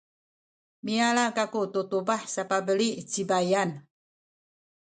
miyala kaku tu tubah sapabeli ci baiyan.